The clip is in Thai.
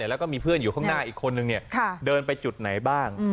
แล้วก็มีเพื่อนอยู่ข้างหน้าอีกคนนึงเดินไปจุดไหนบ้าง